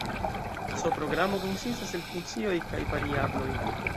C-programo konsistas el funkcioj kaj variabloj.